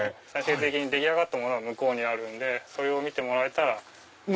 出来上がったものが向こうにあるんでそれを見てもらえたら。